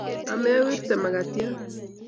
Ame werto mkatiat